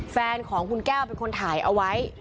แฟนของคุณแก้วเป็นคนถ่ายเอาไว้